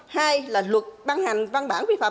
hai là luật băng hành văn bản vi phạm